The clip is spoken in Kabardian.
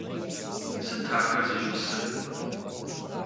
Сыт ахэр зищӀысыр?